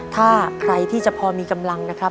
ถ้าใครที่จะพอมีกำลังนะครับ